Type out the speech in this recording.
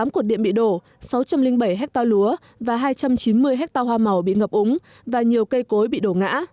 tám cột điện bị đổ sáu trăm linh bảy hectare lúa và hai trăm chín mươi hectare hoa màu bị ngập úng và nhiều cây cối bị đổ ngã